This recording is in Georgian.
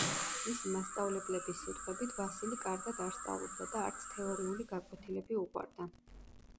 მისი მასწავლებლების სიტყვებით, ვასილი კარგად არ სწავლობდა და არც თეორიული გაკვეთილები უყვარდა.